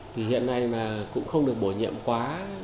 thì hiện nay cũng không được bổ nhiệm quá